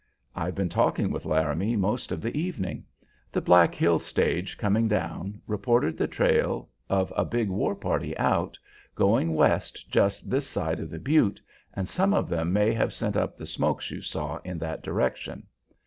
I've been talking with Laramie most of the evening. The Black Hills stage coming down reported trail of a big war party out, going west just this side of the Butte, and some of them may have sent up the smokes you saw in that direction.